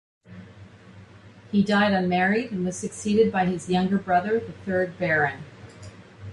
He died unmarried and was succeeded by his younger brother, the third Baron.